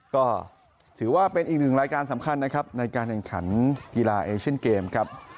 ก็ถือว่าเป็นอีกหนึ่งรายการสำคัญนะครับในการแข่งขันกีฬาเอเชียนเกมครับ